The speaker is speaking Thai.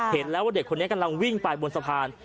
เห็นแล้วว่าเด็กคนนี้กำลังวิ่งไปบนสะพาน